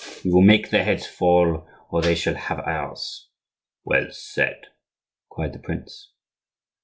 We will make their heads fall, or they shall have ours." "Well said!" cried the prince.